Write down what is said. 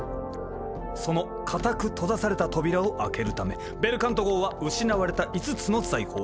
そのかたく閉ざされた扉を開けるためベルカント号は失われた５つの財宝